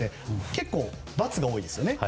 結構Ｘが多いですね。